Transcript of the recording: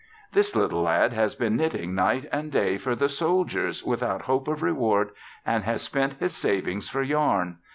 "This little lad has been knitting night and day for the soldiers without hope of reward and has spent his savings for yarn.